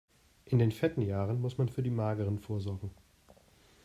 In den fetten Jahren muss man für die mageren vorsorgen.